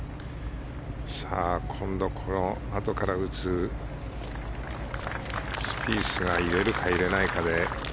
今度このあとから打つスピースが入れるか入れないかで。